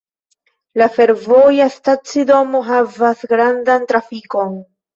La fervoja stacidomo havas grandan trafikon.